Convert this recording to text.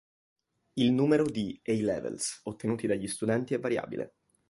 Il numero di "A-levels" ottenuti dagli studenti è variabile.